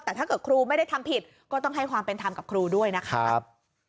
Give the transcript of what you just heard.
แต่ถ้าเกิดครูไม่ได้ทำผิดก็ต้องให้ความเป็นธรรมกับครูด้วยนะครับ